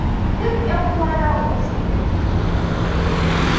Duk 'yan uwana uku sun girme ni.